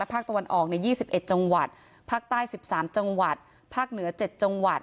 ภาคตะวันออกใน๒๑จังหวัดภาคใต้๑๓จังหวัดภาคเหนือ๗จังหวัด